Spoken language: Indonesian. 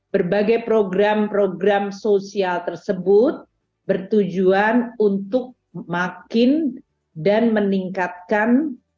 berbagai program program sosial tersebut bertujuan untuk makin dan meningkatkan